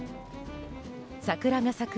桜が咲く